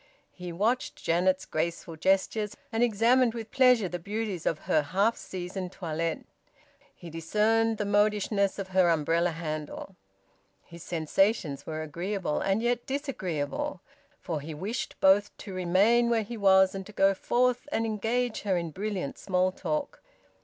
He watched Janet's graceful gestures, and examined with pleasure the beauties of her half season toilet; he discerned the modishness of her umbrella handle. His sensations were agreeable and yet disagreeable, for he wished both to remain where he was and to go forth and engage her in brilliant small talk.